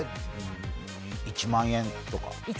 １万円とか？